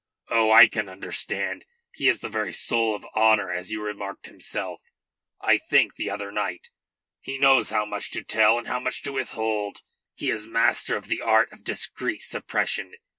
Oh, I can understand. He is the very soul of honour, as you remarked yourself, I think, the other night. He knows how much to tell and how much to withhold. He is master of the art of discreet suppression.